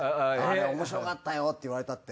「おもしろかったよ」って言われたって。